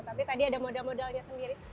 tapi tadi ada modal modalnya sendiri